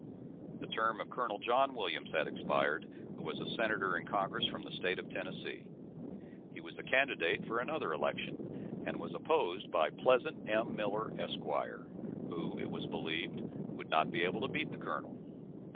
The term of Col. John Williams had expired, who was a senator in Congress from the state of Tennessee. He was a candidate for another election, and was opposed by Pleasant M. Miller, Esq., who, it was believed, would not be able to beat the colonel.